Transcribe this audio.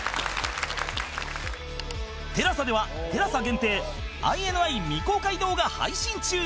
ＴＥＬＡＳＡ では ＴＥＬＡＳＡ 限定 ＩＮＩ 未公開動画配信中